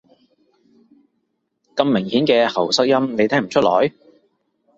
咁明顯嘅喉塞音，你聽唔出來？